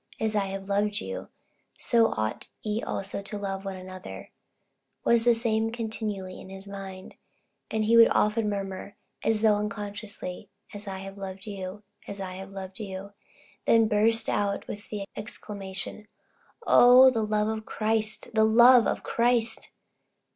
"As I have loved you, so ought ye also to love one another," was a precept continually in his mind, and he would often murmur, as though unconsciously, "'As I have loved you' 'as I have loved you'" then burst out with the exclamation, "Oh, the love of Christ! the love of Christ!"